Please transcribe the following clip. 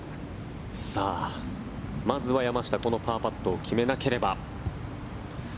まずは山下、このパーパットを決めなければ。